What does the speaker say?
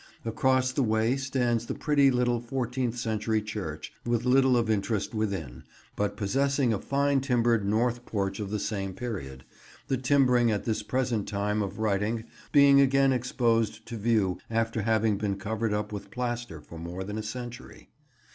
Across the way stands the pretty little fourteenth century church, with little of interest within, but possessing a fine timbered north porch of the same period, the timbering at this present time of writing being again exposed to view after having been covered up with plaster for more than a century.